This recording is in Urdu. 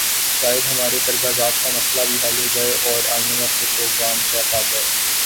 شاید ہمارے قرضہ جات کا مسئلہ بھی حل ہو جائے اور آئی ایم ایف سے پروگرام طے پا جائے۔